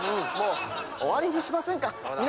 もう終わりにしませんか？